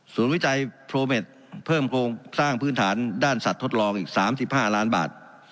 วิจัยโปรเมทเพิ่มโครงสร้างพื้นฐานด้านสัตว์ทดลองอีก๓๕ล้านบาท